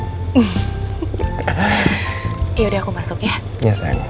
yaudah aku masuk ya